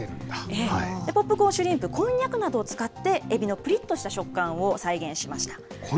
ポップコーンシュリンプ、こんにゃくなどを使って、エビのぷりっとした食感を再現しました。